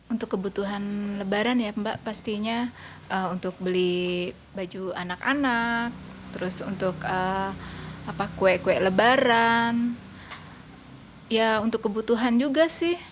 untuk kebutuhan lebaran ya untuk beli baju anak anak untuk kue kue lebaran untuk kebutuhan juga sih